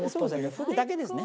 フグだけですね。